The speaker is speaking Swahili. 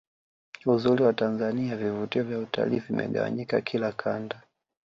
uzuri wa tanzania vivutio vya utalii vimegawanyika kila Kanda